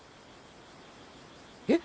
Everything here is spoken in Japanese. え？